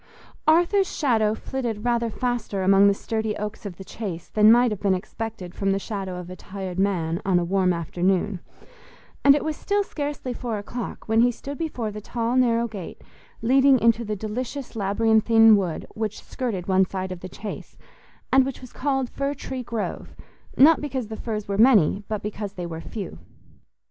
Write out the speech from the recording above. Arthur's shadow flitted rather faster among the sturdy oaks of the Chase than might have been expected from the shadow of a tired man on a warm afternoon, and it was still scarcely four o'clock when he stood before the tall narrow gate leading into the delicious labyrinthine wood which skirted one side of the Chase, and which was called Fir tree Grove, not because the firs were many, but because they were few.